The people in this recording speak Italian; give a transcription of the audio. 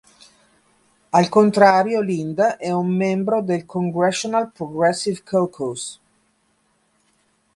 Al contrario Linda è un membro del Congressional Progressive Caucus.